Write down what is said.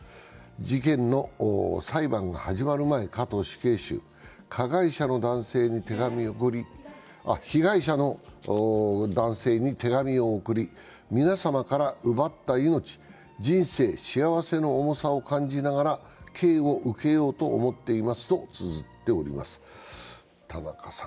事件の裁判が始まる前、加藤死刑囚は被害者の男性に手紙を送り皆様から奪った命、人生、幸せの重さを感じながら刑を受けようと思っていますとつづっております。